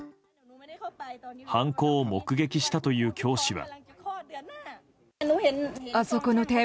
犯行を目撃したという教師は。